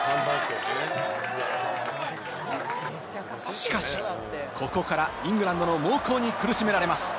しかし、ここからイングランドの猛攻に苦しめられます。